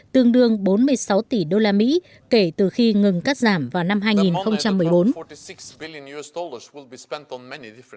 tương đương bốn mươi sáu tỷ đô la mỹ kể từ khi ngừng cắt giảm vào năm hai nghìn một mươi bốn